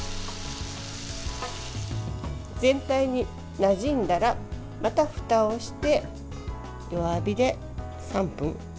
全体になじんだらまた、ふたをして弱火で３分。